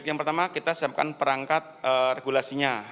yang pertama kita siapkan perangkat regulasinya